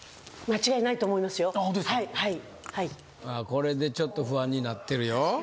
これでちょっと不安になってるよ